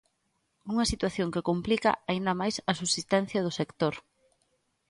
Unha situación que complica aínda máis a subsistencia do sector.